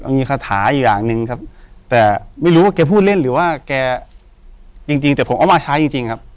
มีคาถาอยู่อย่างหนึ่งครับแต่ไม่รู้ว่าแกพูดเล่นหรือว่าแกจริงจริงแต่ผมเอามาใช้จริงจริงครับ